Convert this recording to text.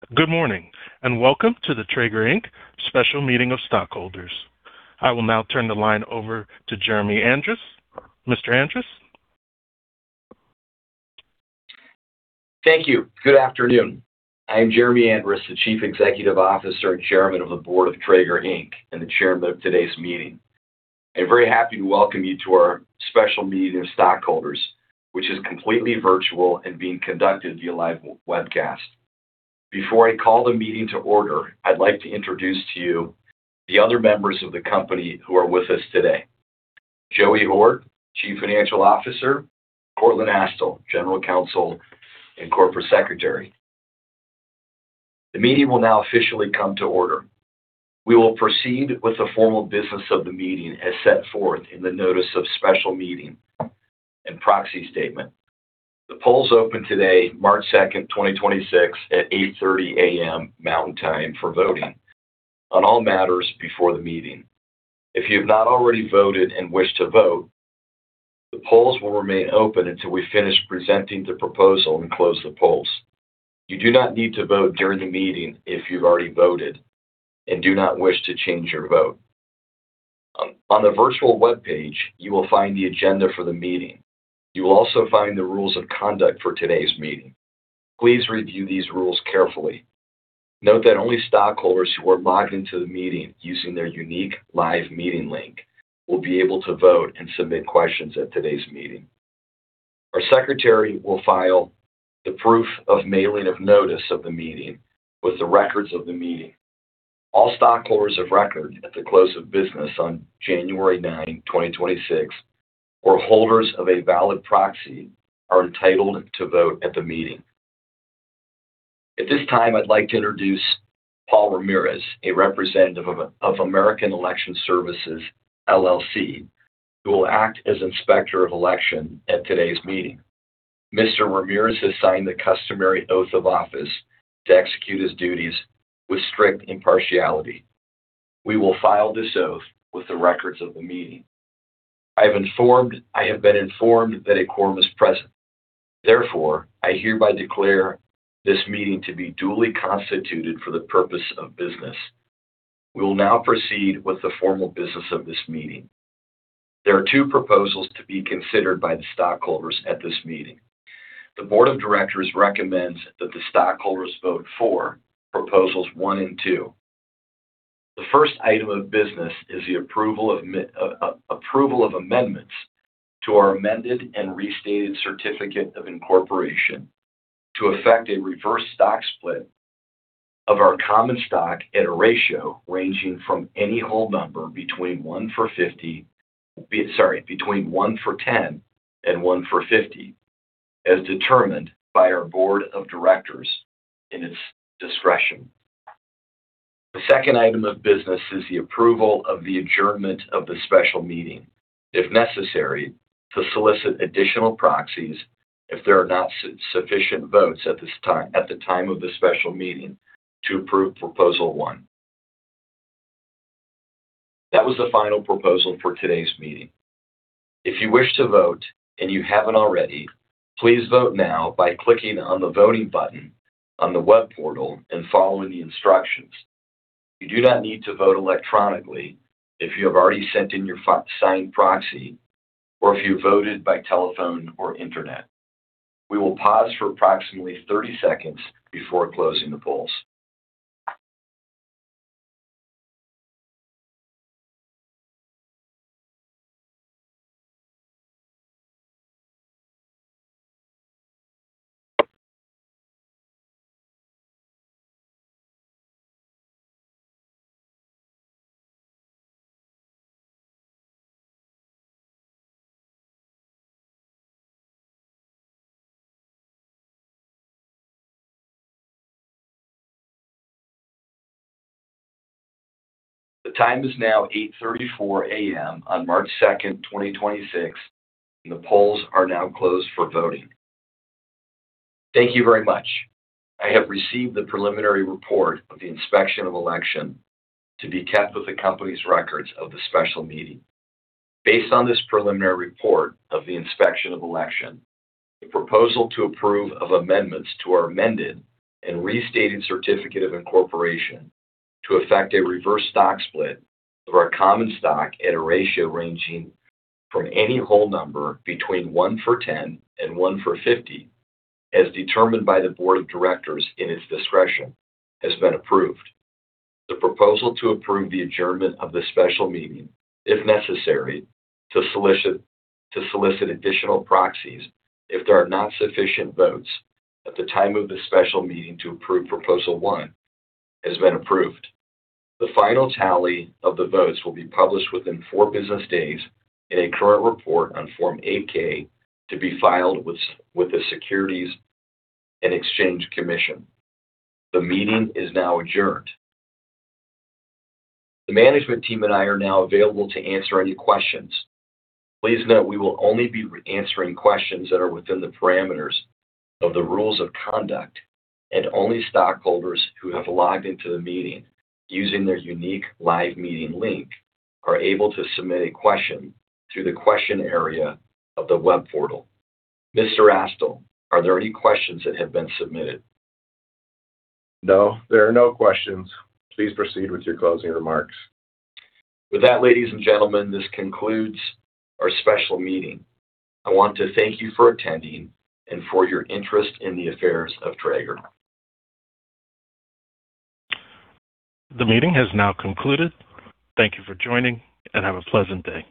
Good morning, welcome to the Traeger, Inc. Special Meeting of Stockholders. I will now turn the line over to Jeremy Andrus. Mr. Andrus. Thank you. Good afternoon. I'm Jeremy Andrus, the Chief Executive Officer and Chairman of the Board of Traeger, Inc. and the chairman of today's meeting. I'm very happy to welcome you to our special meeting of stockholders, which is completely virtual and being conducted via live webcast. Before I call the meeting to order, I'd like to introduce to you the other members of the company who are with us today. Joey Hord, Chief Financial Officer, Courtland Astill, General Counsel and Corporate Secretary. The meeting will now officially come to order. We will proceed with the formal business of the meeting as set forth in the notice of special meeting and proxy statement. The polls opened today, March second, 2026 at 8:30 A.M. Mountain Time for voting on all matters before the meeting. If you have not already voted and wish to vote, the polls will remain open until we finish presenting the proposal and close the polls. You do not need to vote during the meeting if you've already voted and do not wish to change your vote. On the virtual web page, you will find the agenda for the meeting. You will also find the rules of conduct for today's meeting. Please review these rules carefully. Note that only stockholders who are logged into the meeting using their unique live meeting link will be able to vote and submit questions at today's meeting. Our secretary will file the proof of mailing of notice of the meeting with the records of the meeting. All stockholders of record at the close of business on January 9, 2026 or holders of a valid proxy are entitled to vote at the meeting. At this time, I'd like to introduce Paul Ramirez, a representative of American Election Services, LLC, who will act as inspector of election at today's meeting. Mr. Ramirez has signed the customary oath of office to execute his duties with strict impartiality. We will file this oath with the records of the meeting. I have been informed that a quorum is present. I hereby declare this meeting to be duly constituted for the purpose of business. We will now proceed with the formal business of this meeting. There are two proposals to be considered by the stockholders at this meeting. The board of directors recommends that the stockholders vote for proposals one and two. The first item of business is the approval of amendments to our amended and restated certificate of incorporation to affect a reverse stock split of our common stock at a ratio ranging from any whole number between One for 50... Sorry, between one for 10 and one for 50, as determined by our board of directors in its discretion. The second item of business is the approval of the adjournment of the special meeting, if necessary, to solicit additional proxies if there are not sufficient votes at the time of the special meeting to approve proposal 1. That was the final proposal for today's meeting. If you wish to vote, and you haven't already, please vote now by clicking on the voting button on the web portal and following the instructions. You do not need to vote electronically if you have already sent in your signed proxy or if you voted by telephone or internet. We will pause for approximately 30 seconds before closing the polls. The time is now 8:34 A.M. on March 2nd, 2026, and the polls are now closed for voting. Thank you very much. I have received the preliminary report of the inspection of election to be kept with the company's records of the special meeting. Based on this preliminary report of the inspection of election, the proposal to approve of amendments to our amended and restated certificate of incorporation to affect a reverse stock split of our common stock at a ratio ranging from any whole number between one for 10 and one for 50, as determined by the board of directors in its discretion, has been approved. The proposal to approve the adjournment of the special meeting, if necessary, to solicit additional proxies if there are not sufficient votes at the time of the special meeting to approve proposal 1 has been approved. The final tally of the votes will be published within four business days in a current report on Form 8-K to be filed with the Securities and Exchange Commission. The meeting is now adjourned. The management team and I are now available to answer any questions. Please note we will only be answering questions that are within the parameters of the rules of conduct and only stockholders who have logged into the meeting using their unique live meeting link are able to submit a question through the question area of the web portal. Mr. Astill, are there any questions that have been submitted? No, there are no questions. Please proceed with your closing remarks. With that, ladies and gentlemen, this concludes our special meeting. I want to thank you for attending and for your interest in the affairs of Traeger. The meeting has now concluded. Thank you for joining, and have a pleasant day.